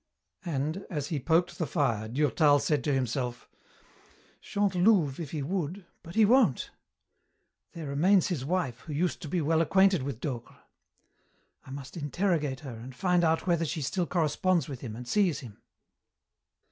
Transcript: and, as he poked the fire, Durtal said to himself, "Chantelouve, if he would, but he won't. There remains his wife, who used to be well acquainted with Docre. I must interrogate her and find out whether she still corresponds with him and sees him."